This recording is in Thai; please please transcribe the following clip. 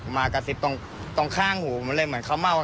มากระซิบตรงข้างหูเลยมันเหมือนเขาเม่าค่ะ